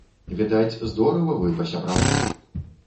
Відаць, здорава вы пасябравалі.